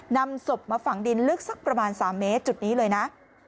นำศพมาฝังดินลึกสักประมาณ๓เมตรจุดนี้เลยนะ